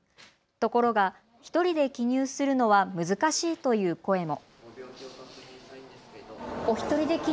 ところが１人で記入するのは難しいという声も。